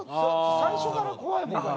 最初から怖いもんね。